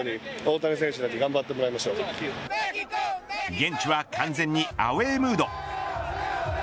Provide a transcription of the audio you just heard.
現地は完全にアウェームード。